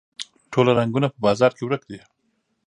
ټوله رنګونه په بازار کې ورک دي